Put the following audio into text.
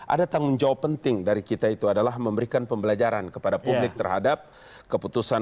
ada tanggung jawab penting dari kita itu adalah memberikan pembelajaran kepada publik terhadap keputusan